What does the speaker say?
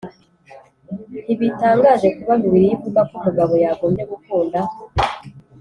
Ntibitangaje kuba Bibiliya ivuga ko umugabo yagombye gukunda